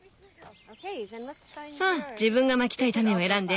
さあ自分がまきたい種を選んで。